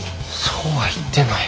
そうは言ってない。